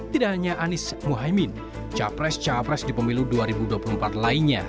tidak hanya anies muhaymin capres capres di pemilu dua ribu dua puluh empat lainnya